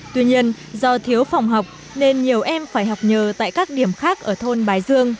tuy nhiên do thiếu phòng học nên nhiều em phải học nhờ tại các điểm khác ở thôn bái dương